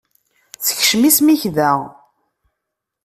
Sekcem isem-ik da.